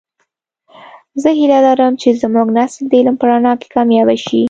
زه هیله لرم چې زمونږنسل د علم په رڼا کې کامیابه شي